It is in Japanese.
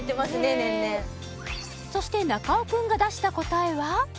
年々そして中尾君が出した答えは？